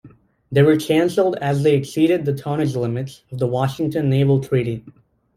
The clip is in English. They were cancelled as they exceeded the tonnage limits of the Washington Naval Treaty.